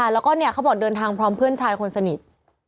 แล้วก็เขาบอกเดินทางพร้อมเพื่อนชายคนสนิท